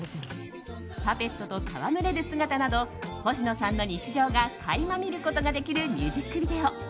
パペットと戯れる姿など星野さんの日常が垣間見ることができるミュージックビデオ。